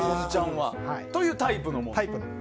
こういうタイプのものと。